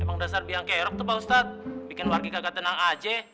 emang dasar biang kerok tuh pak ustadz bikin warga tenang aceh